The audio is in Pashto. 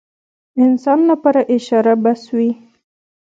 انسان لپاره اشاره بس وي.